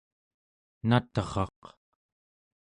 nat'raq